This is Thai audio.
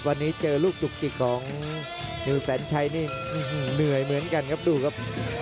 วันนี้เจอลูกจุกจิกของนิวแสนชัยนี่เหนื่อยเหมือนกันครับดูครับ